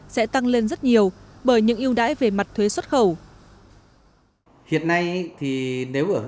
sẽ tăng lên rất nhiều bởi những ưu đãi về mặt thuế xuất khẩu